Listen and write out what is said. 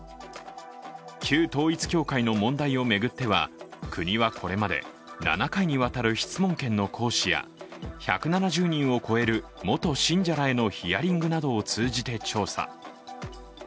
旧統一教会の問題を巡っては国はこれまで７回にわたる質問権の行使や１７０人を超える元信者らへのヒアリングなどを通じて調査。